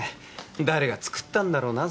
誰がつくったんだろうな